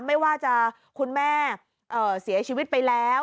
ไม่ว่าจะคุณแม่เสียชีวิตไปแล้ว